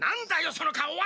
その顔は。